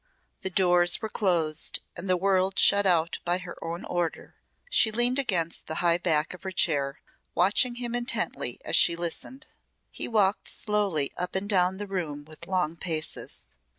The doors were closed, and the world shut out by her own order. She leaned against the high back of her chair, watching him intently as she listened. He walked slowly up and down the room with long paces.